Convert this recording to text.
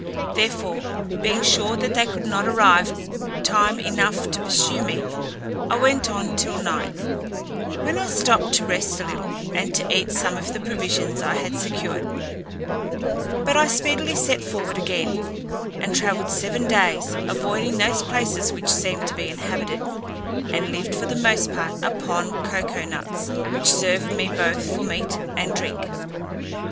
Therefore, being sure that they could not arrive time enough to pursue me, I went on till night, when I stopped to rest a little, and to eat some of the provisions I had secured; but I speedily set forward again, and travelled seven days, avoiding those places which seemed to be inhabited, and lived for the most part upon cocoa nuts, which served me both for meat and drink.